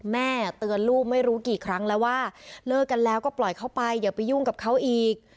แม่เตือนลูกไม่รู้กี่ครั้งแล้วว่าเลิกกันแล้วก็ปล่อยเข้าไปอย่าไปยุ่งกับเขาอีก